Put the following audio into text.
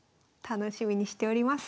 楽しみにしております。